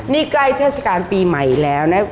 นี่ก็อย่างทศกาลปีใหม่แล้วนะ